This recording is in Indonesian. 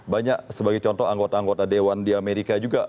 banyak sebagai contoh anggota anggota dewan di amerika juga